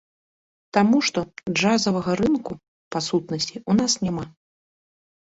Таму што, джазавага рынку, па сутнасці, у нас няма.